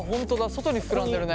外に膨らんでるね。